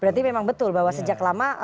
berarti memang betul bahwa sejak lama